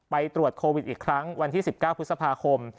ไปตรวจโควิดอีกครั้งวันที่๑๙พฤษภาคม